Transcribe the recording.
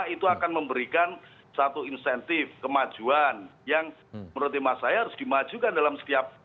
itu akan memberikan satu insentif kemajuan yang menurut emak saya harus dimajukan dalam setiap